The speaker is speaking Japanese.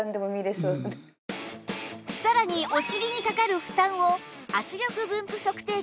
さらにお尻にかかる負担を圧力分布測定器でチェック！